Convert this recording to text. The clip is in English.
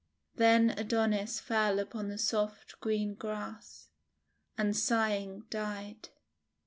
Then Adonis fell upon the soft green grass, and sighing died.